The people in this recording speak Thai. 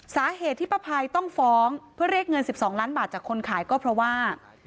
สาเหตุที่ป้าภัยต้องฟ้องเพื่อเรียกเงิน๑๒ล้านบาทจากคนขายก็เพราะว่า